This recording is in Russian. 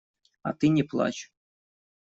А ты не плачь.